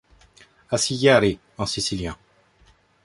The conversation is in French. Aciriali en sicilien.